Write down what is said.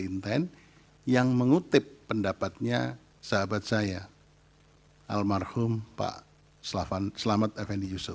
intent yang mengutip pendapatnya sahabat saya almarhum pak selamat fnd yusuf